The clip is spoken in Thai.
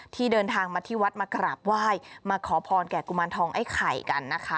ที่เดินทางมาที่วัดมากราบไหว้มาขอพรแก่กุมารทองไอ้ไข่กันนะคะ